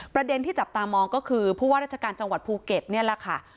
ประเด็นที่จับตามองก็คือผู้ว่าราชการจังหวัดภูเก็ตนี่แหละค่ะ